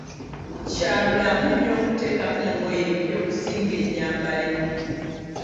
Kya bulamu nnyo okuteekako engoye empya okusinga enyambalemu.